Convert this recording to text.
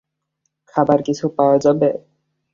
খাবার কিছু পাওয়া যাবে?